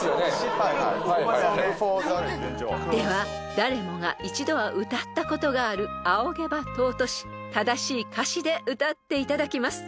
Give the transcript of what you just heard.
誰もが一度は歌ったことがある『仰げば尊し』正しい歌詞で歌っていただきます］